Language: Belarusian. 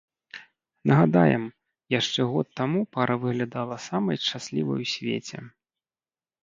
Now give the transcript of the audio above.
Нагадаем, яшчэ год таму пара выглядала самай шчаслівай у свеце.